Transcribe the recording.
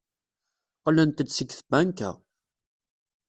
Qqlent-d seg tbanka.